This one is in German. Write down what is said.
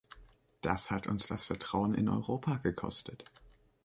Das hat uns das Vertrauen in Europa gekostet.